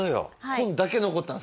本だけ残ったんですね。